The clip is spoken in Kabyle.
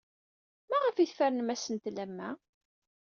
Maɣef ay tfernem asentel am wa?